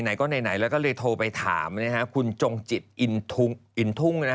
ไหนก็ไหนแล้วก็เลยโทรไปถามคุณจงจิตอินทุ่ง